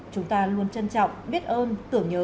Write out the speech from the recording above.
chúng ta luôn trân trọng biết ơn tưởng nhớ